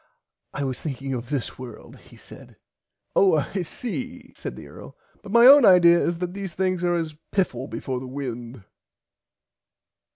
I was thinking of this world he said. Oh I see said the Earl but my own idear is that these things are as piffle before the wind.